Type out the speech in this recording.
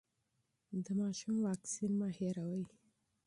د ماشوم واکسین مه هېروئ.